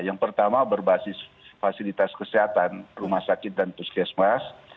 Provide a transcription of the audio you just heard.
yang pertama berbasis fasilitas kesehatan rumah sakit dan puskesmas